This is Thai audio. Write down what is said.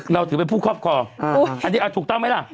เราถือเป็นผู้ครอบครองอันนี้ถูกต้องไหมล่ะ